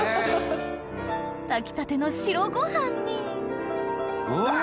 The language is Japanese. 炊きたての白ご飯にうわ！